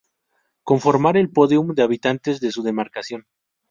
Conformar el podium de habitantes de su demarcación.